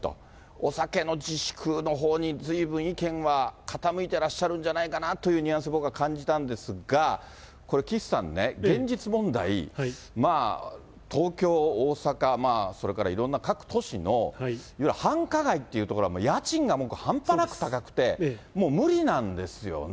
お酒の自粛のほうに、ずいぶん意見は傾いてらっしゃるんじゃないかなというニュアンス、僕は感じたんですが、これ岸さんね、現実問題、東京、大阪、それからいろんな各都市の、いわゆる繁華街という所は、家賃がもう半端なく高くて、もう無理なんですよね。